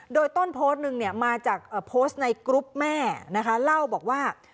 โดยต้นโพสต์นึงเนี่ยมาจากโพสต์ในกรุ๊ปแม่นะคะเล่าบอกว่า